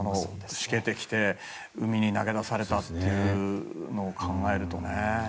しけてきて、海に投げ出されたっていうのを考えるとね。